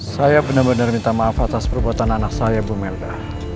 saya benar benar minta maaf atas perbuatan anak saya bu melda